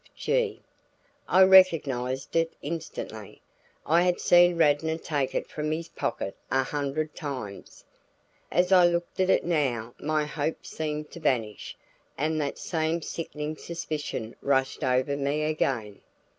F. G." I recognized it instantly; I had seen Radnor take it from his pocket a hundred times. As I looked at it now my hope seemed to vanish and that same sickening suspicion rushed over me again.